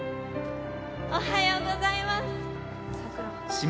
おはようございます。